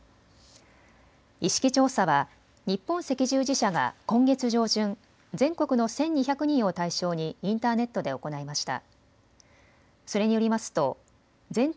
意識調査は日本赤十字社が今月上旬、全国の１２００人を対象にインターネットで行いました。